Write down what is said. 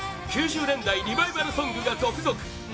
９０年代リバイバルソングが続々！